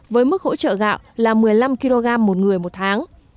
với mức hỗ trợ gạo là một mươi năm kg một người một tháng